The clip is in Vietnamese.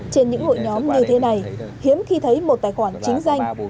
trên những hội nhóm như thế này hiếm khi thấy một tài khoản chính danh